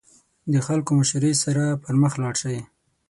د خلکو مشورې سره پرمخ لاړ شئ.